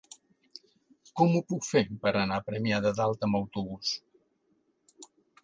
Com ho puc fer per anar a Premià de Dalt amb autobús?